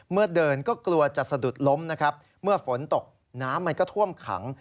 เมื่อเดินก็กลัวจะสะดุดล้มนะครับเมื่อฝนตกน้ำมันก็ท่วมขัง